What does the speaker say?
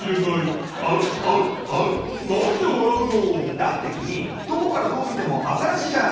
だってきみどこからどうみてもアザラシじゃん。